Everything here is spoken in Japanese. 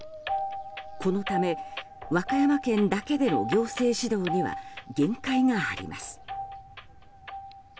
このため和歌山県だけでの行政指導には限界があります。